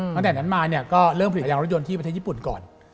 ตั้งแต่นั้นมาเนี่ยก็เริ่มผลิตยางรถยนต์ที่ประเทศญี่ปุ่นก่อน